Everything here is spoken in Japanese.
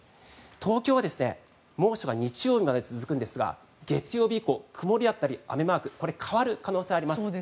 東京は猛暑が日曜日まで続くんですが月曜日以降曇りだったり雨マークこれ、変わる可能性があります。